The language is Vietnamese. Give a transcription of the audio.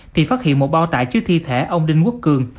thì phát hiện một bao tải chứa thi thể ông đinh quốc cường